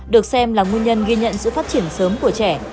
được xem là nguyên nhân ghi nhận sự phát triển sớm của trẻ